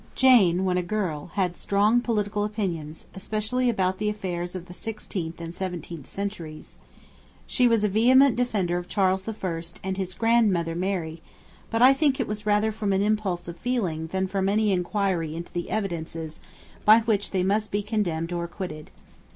Jane, when a girl, had strong political opinions, especially about the affairs of the sixteenth and seventeenth centuries. She was a vehement defender of Charles I. and his grandmother Mary; but I think it was rather from an impulse of feeling than from any enquiry into the evidences by which they must be condemned or acquitted.